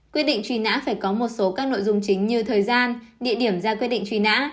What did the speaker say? quyết định truy nã phải có một số các nội dung chính như thời gian địa điểm ra quyết định truy nã